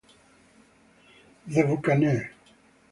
The Buccaneer